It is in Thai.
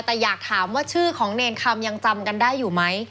แต่อยากถามว่าชื่อของเนรคำยังจำกันได้อยู่ไหม